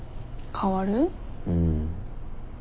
うん。